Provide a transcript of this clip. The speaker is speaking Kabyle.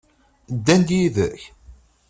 Ddan-d yid-k?